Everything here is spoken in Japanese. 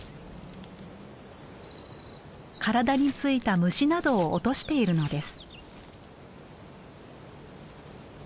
体に付いた虫などを落としているのです。